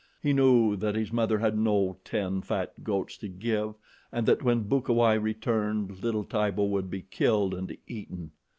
He knew that his mother had no ten fat goats to give and that when Bukawai returned, little Tibo would be killed and eaten.